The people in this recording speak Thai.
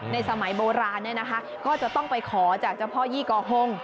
สมัยโบราณเนี่ยนะคะก็จะต้องไปขอจากเจ้าพ่อยี่กอฮง